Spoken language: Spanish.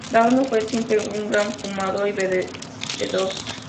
Dawson fue siempre gran fumador y bebedor.